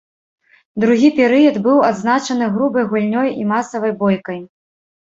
Другі перыяд быў адзначаны грубай гульнёй і масавай бойкай.